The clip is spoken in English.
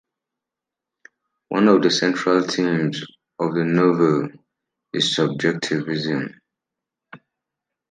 One of the central themes of the novel is subjectivism.